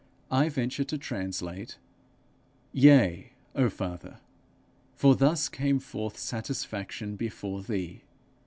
I venture to translate, 'Yea, O Father, for thus came forth satisfaction before thee!'